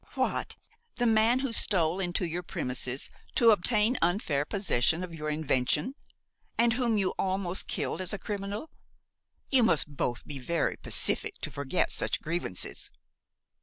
"What! the man who stole into your premises to obtain unfair possession of your invention, and whom you almost killed as a criminal! You must both be very pacific to forget such grievances!"